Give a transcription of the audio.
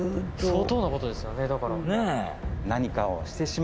相当な事ですよねだから。